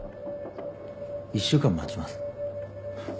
１週間待ちます。